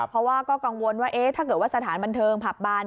เพราะว่าก็กังวลว่าถ้าเกิดว่าสถานบันเทิงผับบาน